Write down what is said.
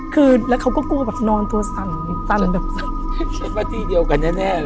คือแล้วเขาก็กลัวแบบนอนตัวสั่นตันแบบคิดว่าที่เดียวกันแน่เลย